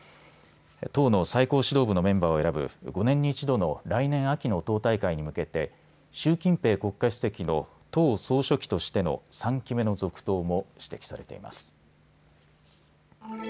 党の最高指導部のメンバーを選ぶ５年に一度の来年秋の党大会に向けて習近平国家主席の党総書記としての３期目の続投も指摘されています。